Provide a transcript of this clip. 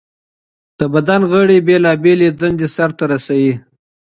د بدن غړي بېلابېلې دندې سرته رسوي.